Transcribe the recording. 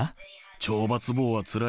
懲罰房はつらい。